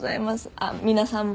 あっ皆さんも。